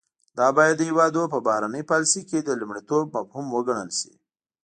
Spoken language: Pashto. دا باید د هیوادونو په بهرنۍ پالیسۍ کې د لومړیتوب مفهوم وګڼل شي